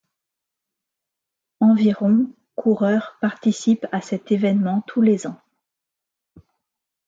Environ coureurs participent à cet évènement tous les ans.